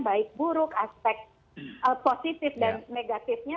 baik buruk aspek positif dan negatifnya